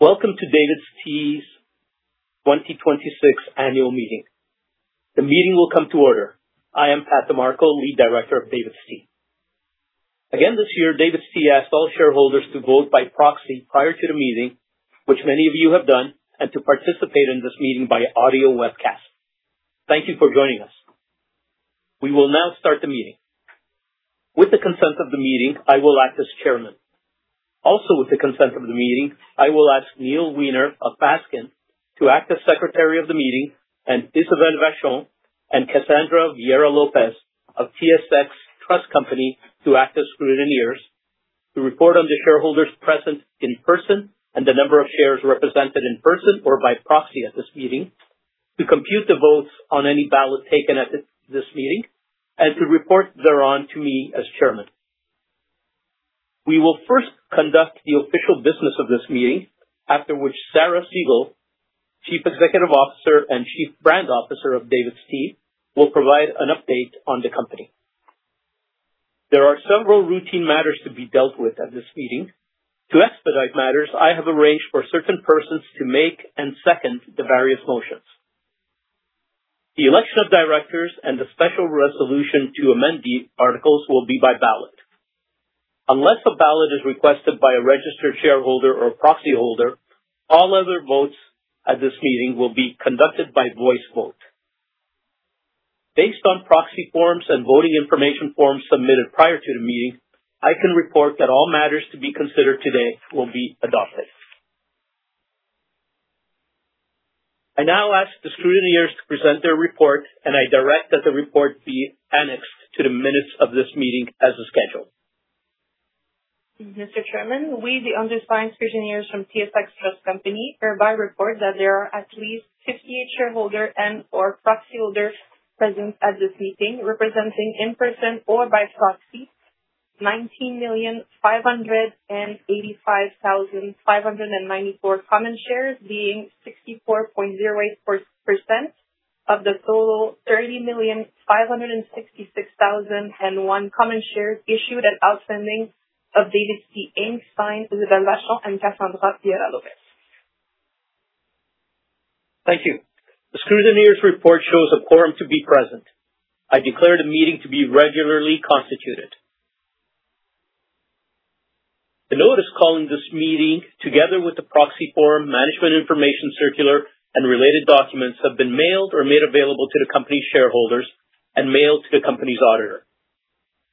Welcome to DAVIDsTEA's 2026 annual meeting. The meeting will come to order. I am Pat De Marco, Lead Director of DAVIDsTEA. Again this year, DAVIDsTEA asked all shareholders to vote by proxy prior to the meeting, which many of you have done, and to participate in this meeting by audio webcast. Thank you for joining us. We will now start the meeting. With the consent of the meeting, I will act as Chairman. Also, with the consent of the meeting, I will ask Neil Wiener of Fasken to act as Secretary of the meeting and Isabelle Vachon and Cassandra Vieira-Lopez of TSX Trust Company to act as scrutineers to report on the shareholders present in person and the number of shares represented in person or by proxy at this meeting, to compute the votes on any ballot taken at this meeting, and to report thereon to me as Chairman. We will first conduct the official business of this meeting, after which Sarah Segal, Chief Executive Officer and Chief Brand Officer of DAVIDsTEA, will provide an update on the company. There are several routine matters to be dealt with at this meeting. To expedite matters, I have arranged for certain persons to make and second the various motions. The election of directors and the special resolution to amend the articles will be by ballot. Unless a ballot is requested by a registered shareholder or a proxyholder, all other votes at this meeting will be conducted by voice vote. Based on proxy forms and voting information forms submitted prior to the meeting, I can report that all matters to be considered today will be adopted. I now ask the scrutineers to present their report, and I direct that the report be annexed to the minutes of this meeting as a schedule. Mr. Chairman, we, the undersigned scrutineers from TSX Trust Company, hereby report that there are at least 58 shareholders and/or proxyholders present at this meeting, representing in person or by proxy 19,585,594 common shares, being 64.08% of the total 30,566,001 common shares issued and outstanding of DAVIDsTEA Inc. signed Isabelle Vachon and Cassandra Vieira-Lopez. Thank you. The scrutineers' report shows a quorum to be present. I declare the meeting to be regularly constituted. The notice calling this meeting, together with the proxy form, management information circular, and related documents, have been mailed or made available to the company shareholders and mailed to the company's auditor.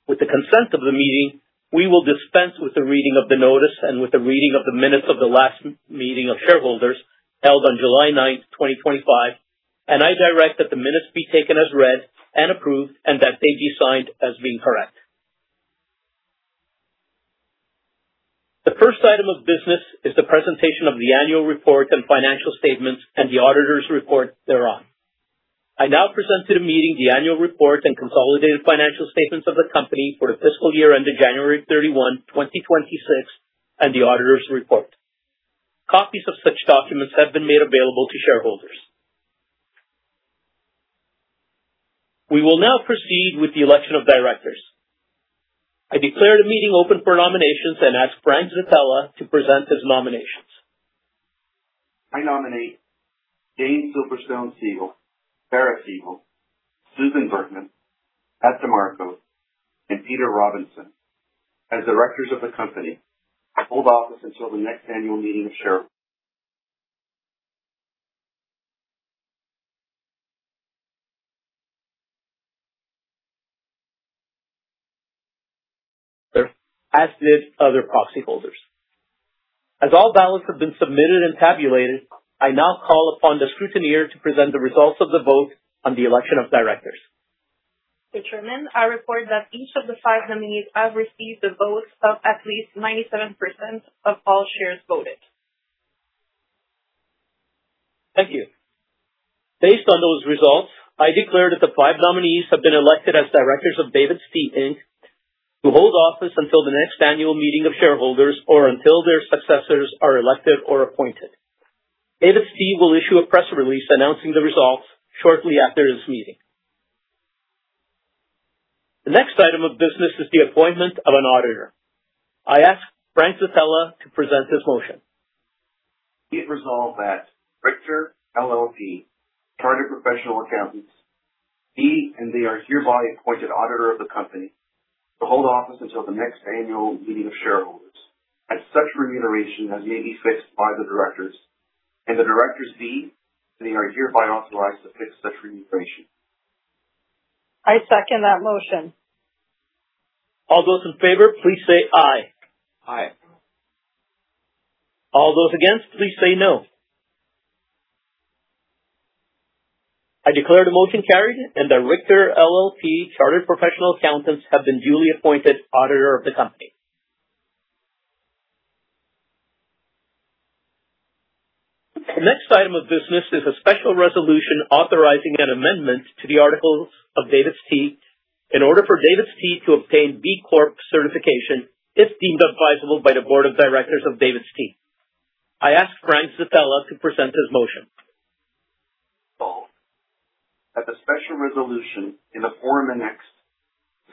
With the consent of the meeting, we will dispense with the reading of the notice and with the reading of the minutes of the last meeting of shareholders held on July 9th, 2025, and I direct that the minutes be taken as read and approved and that they be signed as being correct. The first item of business is the presentation of the annual report and financial statements and the auditor's report thereon. I now present to the meeting the annual report and consolidated financial statements of the company for the fiscal year ended January 31, 2026, and the auditor's report. Copies of such documents have been made available to shareholders. We will now proceed with the election of directors. I declare the meeting open for nominations and ask Frank Zitella to present his nominations. I nominate Jane Silverstone Segal, Sarah Segal, Susan L. Burkman, Pat De Marco, and Peter Robinson as directors of the company to hold office until the next annual meeting of share- As did other proxyholders. As all ballots have been submitted and tabulated, I now call upon the scrutineer to present the results of the vote on the election of directors. Mr. Chairman, I report that each of the five nominees have received the votes of at least 97% of all shares voted. Thank you. Based on those results, I declare that the five nominees have been elected as directors of DAVIDsTEA Inc. to hold office until the next annual meeting of shareholders or until their successors are elected or appointed. DAVIDsTEA will issue a press release announcing the results shortly after this meeting. The next item of business is the appointment of an auditor. I ask Frank Zitella to present his motion. Be it resolved that Richter LLP, Chartered Professional Accountants, be and they are hereby appointed auditor of the company to hold office until the next annual meeting of shareholders at such remuneration as may be fixed by the directors and the directors be, and they are hereby authorized to fix such remuneration. I second that motion. All those in favor, please say aye. Aye. All those against, please say no. I declare the motion carried and that Richter LLP Chartered Professional Accountants have been duly appointed auditor of the company. The next item of business is a special resolution authorizing an amendment to the articles of DAVIDsTEA in order for DAVIDsTEA to obtain B Corp certification if deemed advisable by the board of directors of DAVIDsTEA. I ask Frank Zitella to present his motion Resolution in the form annexed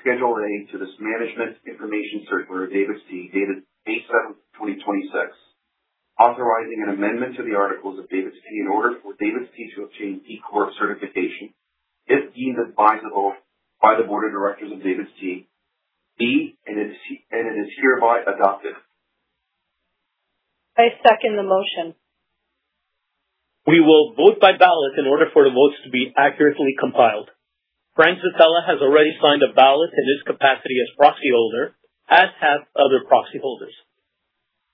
Schedule A to this Management Information Circular of DAVIDsTEA dated May 7th, 2026, authorizing an amendment to the articles of DAVIDsTEA in order for DAVIDsTEA to obtain B Corp certification, if deemed advisable by the board of directors of DAVIDsTEA be, and it is hereby adopted. I second the motion. We will vote by ballot in order for the votes to be accurately compiled. Frank Zitella has already signed a ballot in his capacity as proxy holder, as have other proxy holders.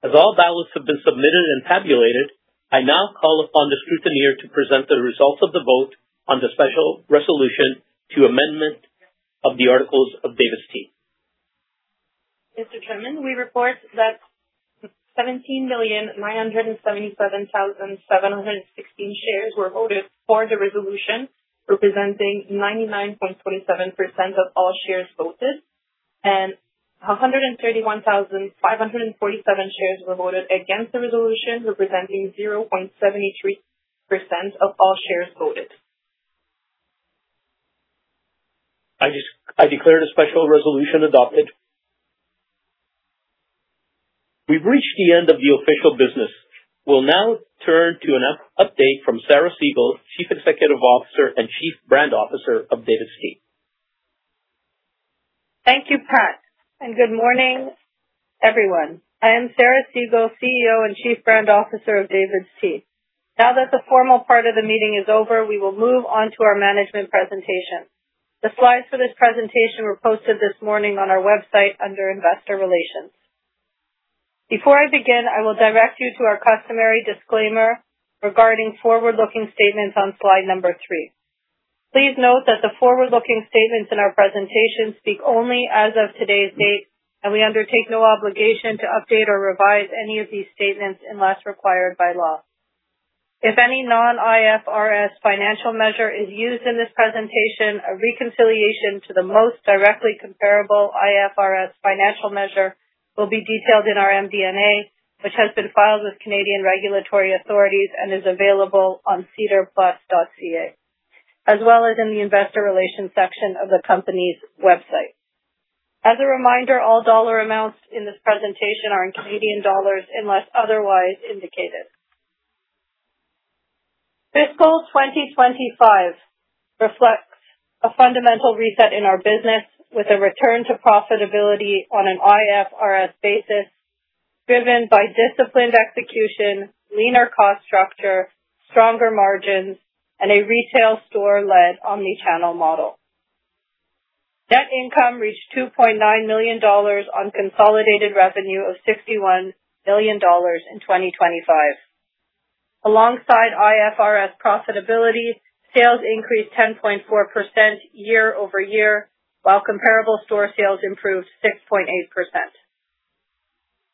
All ballots have been submitted and tabulated, I now call upon the scrutineer to present the results of the vote on the special resolution to amendment of the articles of DAVIDsTEA. Mr. Chairman, we report that 17,977,716 shares were voted for the resolution, representing 99.27% of all shares voted. 131,547 shares were voted against the resolution, representing 0.73% of all shares voted. I declare the special resolution adopted. We have reached the end of the official business. We will now turn to an update from Sarah Segal, Chief Executive Officer and Chief Brand Officer of DAVIDsTEA. Thank you, Pat. Good morning, everyone. I am Sarah Segal, CEO and Chief Brand Officer of DAVIDsTEA. Now that the formal part of the meeting is over, we will move on to our management presentation. The slides for this presentation were posted this morning on our website under Investor Relations. Before I begin, I will direct you to our customary disclaimer regarding forward-looking statements on slide number three. Please note that the forward-looking statements in our presentation speak only as of today's date. We undertake no obligation to update or revise any of these statements unless required by law. If any non-IFRS financial measure is used in this presentation, a reconciliation to the most directly comparable IFRS financial measure will be detailed in our MD&A, which has been filed with Canadian regulatory authorities and is available on sedarplus.ca, as well as in the investor relations section of the company's website. As a reminder, all dollar amounts in this presentation are in Canadian dollars unless otherwise indicated. Fiscal 2025 reflects a fundamental reset in our business with a return to profitability on an IFRS basis, driven by disciplined execution, leaner cost structure, stronger margins, and a retail store-led omni-channel model. Net income reached 2.9 million dollars on consolidated revenue of 61 million dollars in 2025. Alongside IFRS profitability, sales increased 10.4% year-over-year, while comparable store sales improved 6.8%.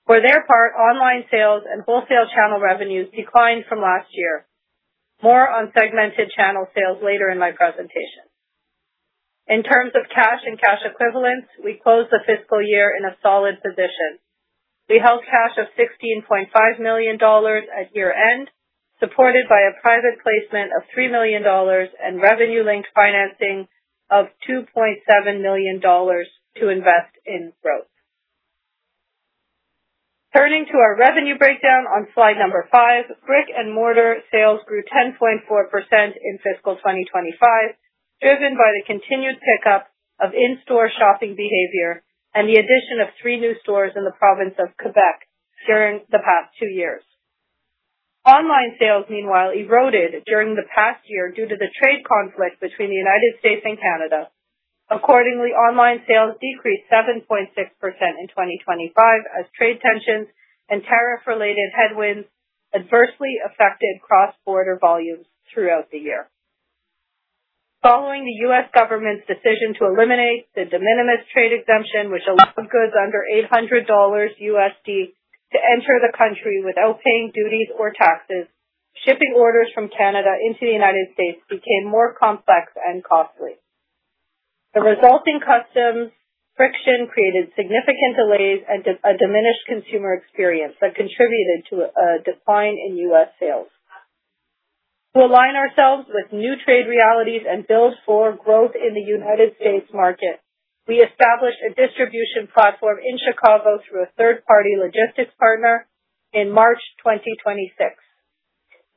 For their part, online sales and wholesale channel revenues declined from last year. More on segmented channel sales later in my presentation. In terms of cash and cash equivalents, we closed the fiscal year in a solid position. We held cash of 16.5 million dollars at year-end, supported by a private placement of 3 million dollars and revenue-linked financing of 2.7 million dollars to invest in growth. Turning to our revenue breakdown on slide number five, brick-and-mortar sales grew 10.4% in fiscal 2025, driven by the continued pickup of in-store shopping behavior and the addition of three new stores in the province of Quebec during the past two years. Online sales, meanwhile, eroded during the past year due to the trade conflict between the United States and Canada. Accordingly, online sales decreased 7.6% in 2025 as trade tensions and tariff-related headwinds adversely affected cross-border volumes throughout the year. Following the U.S. government's decision to eliminate the de minimis trade exemption, which allowed goods under $800 USD to enter the country without paying duties or taxes, shipping orders from Canada into the United States became more complex and costly. The resulting customs friction created significant delays and a diminished consumer experience that contributed to a decline in U.S. sales. To align ourselves with new trade realities and build for growth in the United States market, we established a distribution platform in Chicago through a third-party logistics partner in March 2026.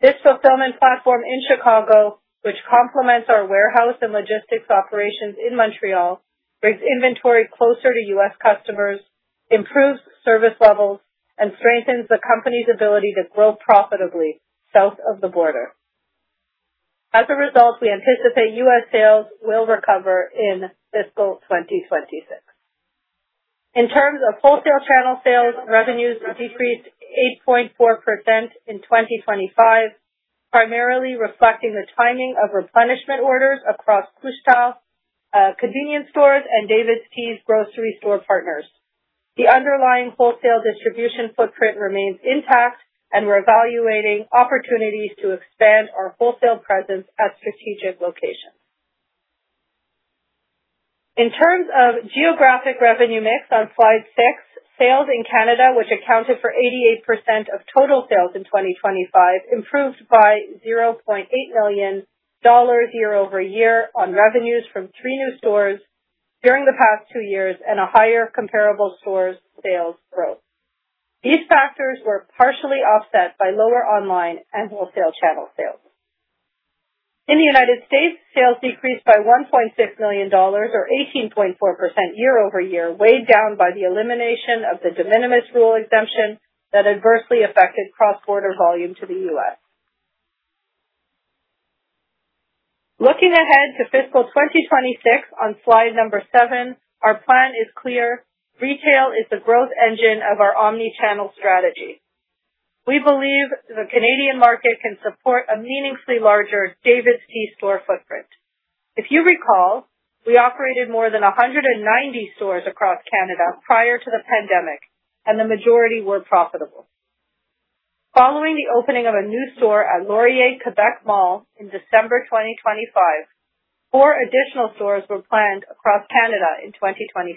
This fulfillment platform in Chicago, which complements our warehouse and logistics operations in Montreal, brings inventory closer to U.S. customers, improves service levels, and strengthens the company's ability to grow profitably south of the border. As a result, we anticipate U.S. sales will recover in fiscal 2026. In terms of wholesale channel sales, revenues decreased 8.4% in 2025, primarily reflecting the timing of replenishment orders across Couche-Tard, convenience stores, and DAVIDsTEA's grocery store partners. The underlying wholesale distribution footprint remains intact, and we're evaluating opportunities to expand our wholesale presence at strategic locations. In terms of geographic revenue mix on slide six, sales in Canada, which accounted for 88% of total sales in 2025, improved by 0.8 million dollars year-over-year on revenues from three new stores during the past two years and a higher comparable stores sales growth. These factors were partially offset by lower online and wholesale channel sales. In the United States, sales decreased by 1.6 million dollars, or 18.4% year-over-year, weighed down by the elimination of the de minimis rule exemption that adversely affected cross-border volume to the U.S. Looking ahead to fiscal 2026 on slide seven, our plan is clear. Retail is the growth engine of our omni-channel strategy. We believe the Canadian market can support a meaningfully larger DAVIDsTEA store footprint. If you recall, we operated more than 190 stores across Canada prior to the pandemic, and the majority were profitable. Following the opening of a new store at Laurier Québec mall in December 2025, four additional stores were planned across Canada in 2026.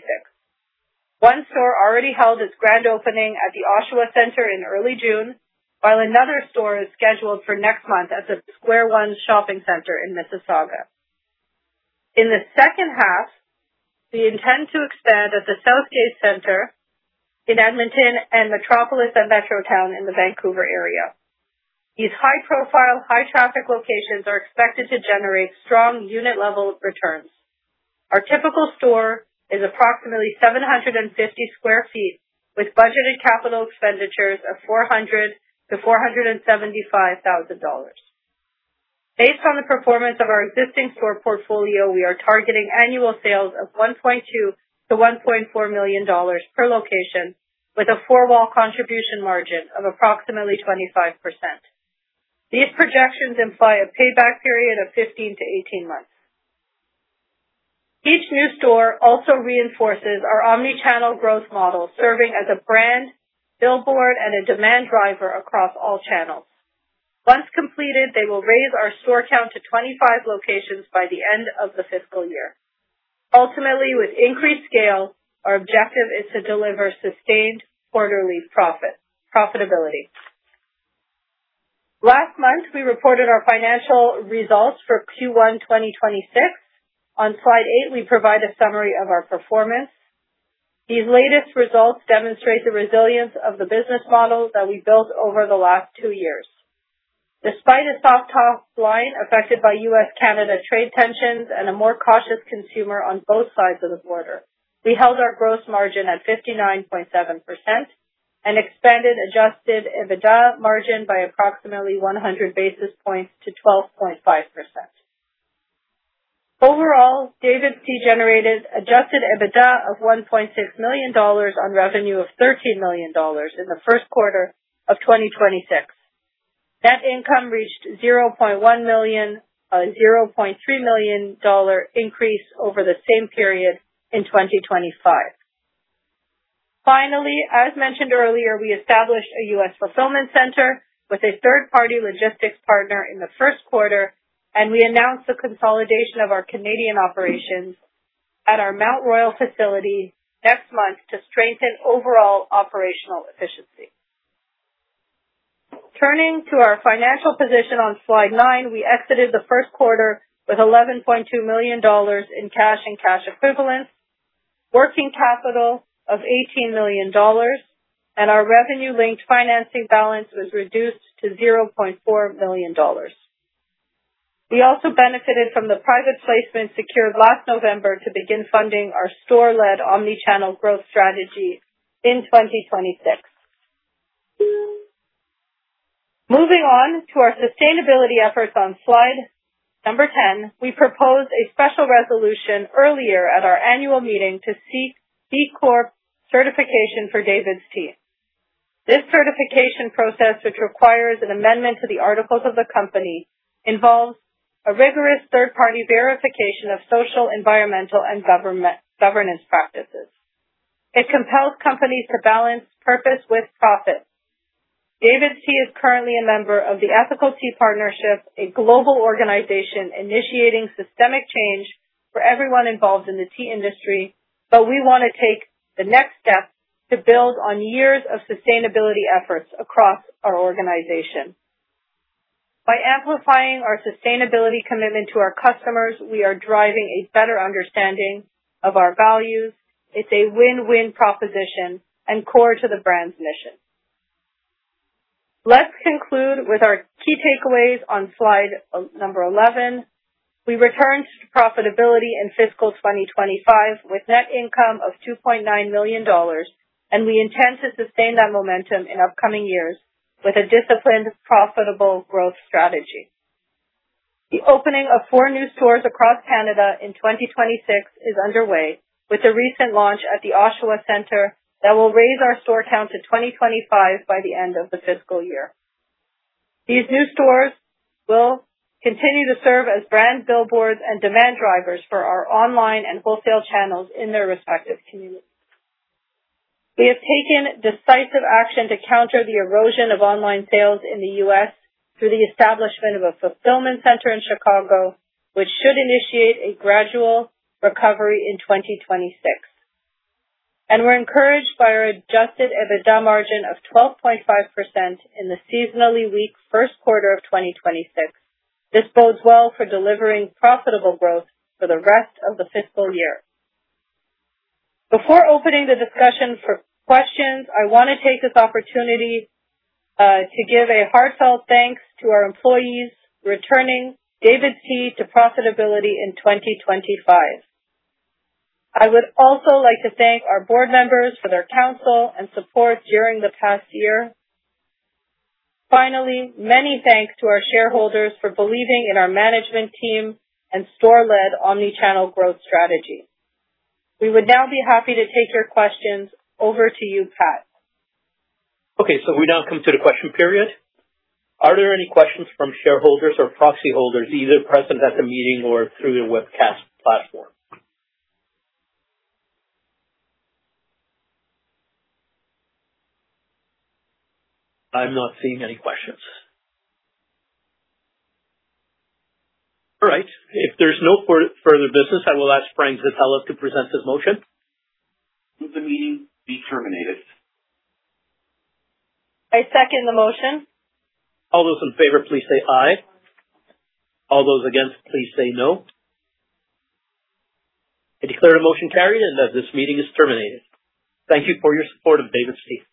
One store already held its grand opening at the Oshawa Centre in early June, while another store is scheduled for next month at the Square One Shopping Centre in Mississauga. In the second half, we intend to expand at the Southgate Centre in Edmonton and Metropolis at Metrotown in the Vancouver area. These high-profile, high-traffic locations are expected to generate strong unit-level returns. Our typical store is approximately 750 sq ft, with budgeted capital expenditures of 400,000-475,000 dollars. Based on the performance of our existing store portfolio, we are targeting annual sales of 1.2 million-1.4 million dollars per location, with a four-wall contribution margin of approximately 25%. These projections imply a payback period of 15-18 months. Each new store also reinforces our omni-channel growth model, serving as a brand billboard and a demand driver across all channels. Once completed, they will raise our store count to 25 locations by the end of the fiscal year. Ultimately, with increased scale, our objective is to deliver sustained quarterly profitability. Last month, we reported our financial results for Q1 2026. On slide eight, we provide a summary of our performance. These latest results demonstrate the resilience of the business model that we built over the last two years. Despite a soft top line affected by U.S.-Canada trade tensions and a more cautious consumer on both sides of the border, we held our gross margin at 59.7% and expanded adjusted EBITDA margin by approximately 100 basis points to 12.5%. Overall, DAVIDsTEA generated adjusted EBITDA of 1.6 million dollars on revenue of 13 million dollars in the first quarter of 2026. Net income reached 0.1 million, a 0.3 million dollar increase over the same period in 2025. Finally, as mentioned earlier, we established a U.S. fulfillment center with a third-party logistics partner in the first quarter, and we announced the consolidation of our Canadian operations at our Mount Royal facility next month to strengthen overall operational efficiency. Turning to our financial position on slide nine, we exited the first quarter with 11.2 million dollars in cash and cash equivalents, working capital of 18 million dollars, and our revenue-linked financing balance was reduced to 0.4 million dollars. We also benefited from the private placement secured last November to begin funding our store-led omni-channel growth strategy in 2026. Moving on to our sustainability efforts on slide number 10, we proposed a special resolution earlier at our annual meeting to seek B Corp certification for DAVIDsTEA. This certification process, which requires an amendment to the articles of the company, involves a rigorous third-party verification of social, environmental, and governance practices. It compels companies to balance purpose with profit. DAVIDsTEA is currently a member of the Ethical Tea Partnership, a global organization initiating systemic change for everyone involved in the tea industry. But we want to take the next step to build on years of sustainability efforts across our organization. By amplifying our sustainability commitment to our customers, we are driving a better understanding of our values. It's a win-win proposition and core to the brand's mission. Let's conclude with our key takeaways on slide number 11. We returned to profitability in fiscal 2025 with net income of 2.9 million dollars, and we intend to sustain that momentum in upcoming years with a disciplined, profitable growth strategy. The opening of four new stores across Canada in 2026 is underway, with a recent launch at the Oshawa Centre that will raise our store count to 25 by the end of the fiscal year. These new stores will continue to serve as brand billboards and demand drivers for our online and wholesale channels in their respective communities. We have taken decisive action to counter the erosion of online sales in the U.S. through the establishment of a fulfillment center in Chicago, which should initiate a gradual recovery in 2026. And we're encouraged by our adjusted EBITDA margin of 12.5% in the seasonally weak first quarter of 2026. This bodes well for delivering profitable growth for the rest of the fiscal year. Before opening the discussion for questions, I want to take this opportunity to give a heartfelt thanks to our employees for returning DAVIDsTEA to profitability in 2025. I would also like to thank our board members for their counsel and support during the past year. Finally, many thanks to our shareholders for believing in our management team and store-led omni-channel growth strategy. We would now be happy to take your questions. Over to you, Pat. Okay, we now come to the question period. Are there any questions from shareholders or proxy holders, either present at the meeting or through the webcast platform? I'm not seeing any questions. All right. If there's no further business, I will ask Frank Zitella to present his motion. Move the meeting be terminated. I second the motion. All those in favor, please say aye. All those against, please say no. I declare the motion carried and that this meeting is terminated. Thank you for your support of DAVIDsTEA.